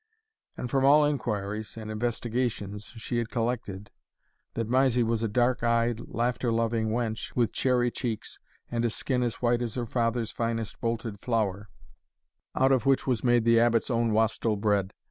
And from all inquiries and investigations she had collected, that Mysie was a dark eyed, laughter loving wench, with cherry cheeks, and a skin as white as her father's finest bolted flour, out of which was made the Abbot's own wastel bread.